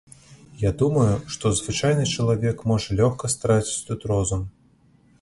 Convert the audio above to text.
Я думаю, што звычайны чалавек можа лёгка страціць тут розум.